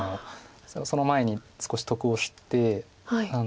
その前に少し得をして。